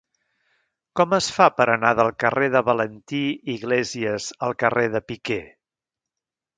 Com es fa per anar del carrer de Valentí Iglésias al carrer de Piquer?